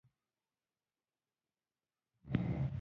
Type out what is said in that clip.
ګرګين وويل: وبخښه، په دې شنه سهار کې مو مزاحمت درته وکړ.